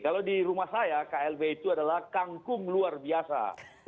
kalau di rumah saya klb itu adalah kangkung luar biasa